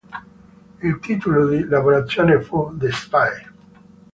Il titolo di lavorazione fu "The Spy".